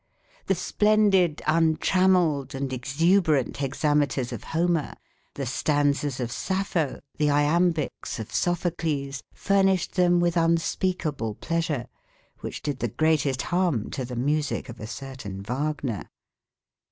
The splendid, untrammelled, and exuberant hexameters of Homer, the stanzas of Sappho, the iambics of Sophocles, furnished them with unspeakable pleasure, which did the greatest harm to the music of a certain Wagner.